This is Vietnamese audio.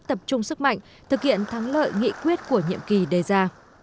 tập trung sức mạnh thực hiện thắng lợi nghị quyết của nhiệm kỳ đề ra